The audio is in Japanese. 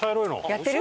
やってる？